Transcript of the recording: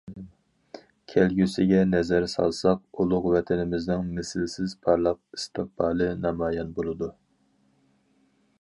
كەلگۈسىگە نەزەر سالساق، ئۇلۇغ ۋەتىنىمىزنىڭ مىسلىسىز پارلاق ئىستىقبالى نامايان بولىدۇ.